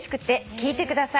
「聞いてください。